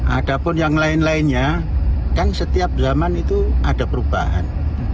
ada pun yang lain lainnya kan setiap zaman itu ada perubahan